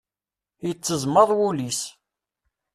Yetteẓmaḍ wul-is.